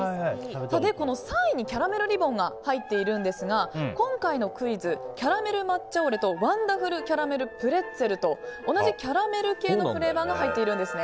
３位にキャラメルリボンが入っているんですが今回のクイズキャラメル抹茶オレとワンダフルキャラメルプレッツェルと同じキャラメル系のフレーバーが入っています。